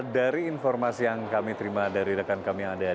dari informasi yang kami terima dari rekan kami yang ada